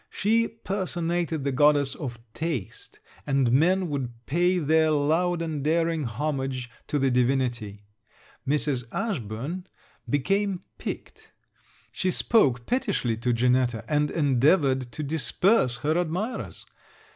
She personated the goddess of taste; and men would pay their loud and daring homage to the divinity. Mrs. Ashburn became piqued. She spoke pettishly to Janetta, and endeavoured to disperse her admirers.